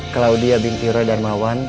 claudia binti roy darmawan